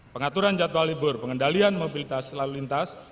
pengaturan jadwal libur pengendalian mobilitas lalu lintas